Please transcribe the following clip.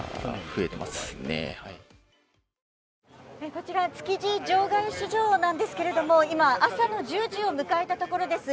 こちら築地場外市場なんですが今、朝の１０時を迎えたところです。